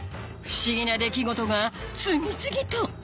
不思議な出来事が次々と！